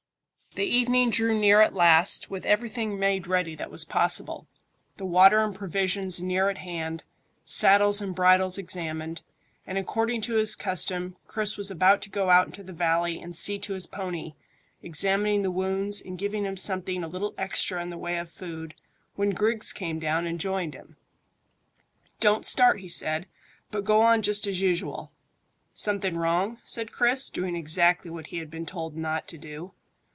The evening drew near at last, with everything made ready that was possible. The water and provisions near at hand; saddles and bridles examined; and according to his custom, Chris was about to go out into the valley and see to his pony, examining the wounds and giving him something a little extra in the way of food, when Griggs came and joined him. "Don't start," he said, "but go on just as usual." "Something wrong?" said Chris, doing exactly what he had been told not to do.